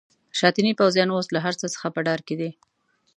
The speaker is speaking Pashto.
شاتني پوځیان اوس له هرڅه څخه په ډار کې دي.